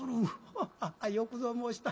「ハハよくぞ申した。